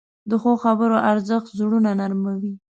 د ښو خبرو ارزښت زړونه نرموې.